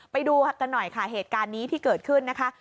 ไปดูกันหน่อยค่ะเหตุการณ์นี้ที่เกิดขึ้นนะคะ